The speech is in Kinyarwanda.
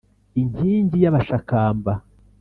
Inkingi y' Abashakamba